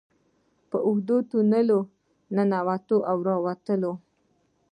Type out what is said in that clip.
په اوږدو تونلونو ننوتلو او راوتلو.